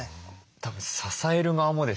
たぶん支える側もですね